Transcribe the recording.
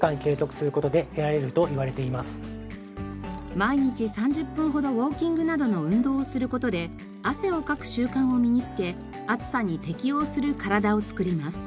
毎日３０分ほどウォーキングなどの運動をする事で汗をかく習慣を身につけ暑さに適応する体を作ります。